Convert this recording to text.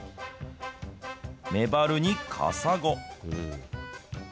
メバルにカサゴ。